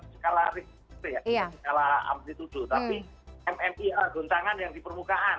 tapi mmi goncangan yang di permukaan